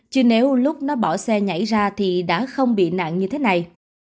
chứ nếu lúc nó bỏ xe nhảy ra thì đã không bị nạn như thế này